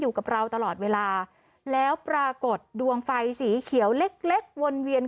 อยู่กับเราตลอดเวลาแล้วปรากฏดวงไฟสีเขียวเล็กเล็กวนเวียน